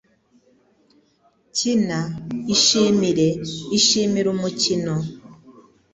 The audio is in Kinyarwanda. Kina. Ishimire. Ishimire umukino